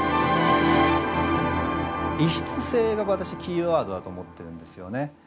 異質性が私キーワードだと思ってるんですよね。